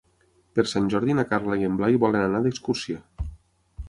Per Sant Jordi na Carla i en Blai volen anar d'excursió.